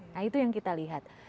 nah itu yang kita lihat